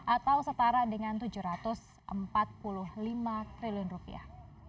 atau setara dengan tujuh ratus empat puluh lima triliun rupiah